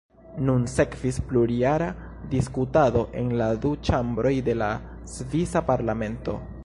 Nun sekvis plurjara diskutado en la du ĉambroj de la svisa parlamento.